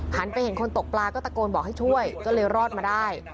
ไปเห็นคนตกปลาก็ตะโกนบอกให้ช่วยก็เลยรอดมาได้